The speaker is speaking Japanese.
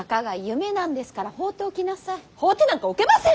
放ってなんかおけません！